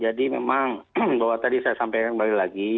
jadi memang bahwa tadi saya sampaikan baru lagi